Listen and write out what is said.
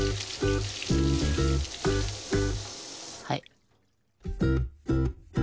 はい。